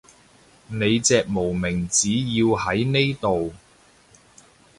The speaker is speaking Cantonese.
你隻無名指要喺呢度